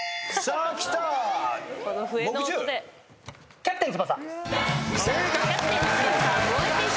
『キャプテン翼』正解。